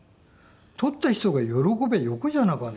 「取った人が喜びゃよかじゃなかね」